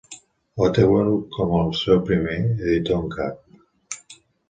Ottewell com el seu primer editor en cap.